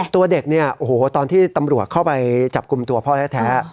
ตัวเด็กเนี่ยโอ้โหตอนที่ตำรวจเข้าไปจับกลุ่มตัวพ่อแท้